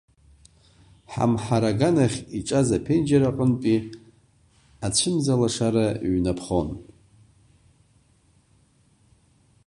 Ҳамҳара аганахь иҿаз аԥенџьыр аҟынтәи ацәымза лашара ҩнаԥхон.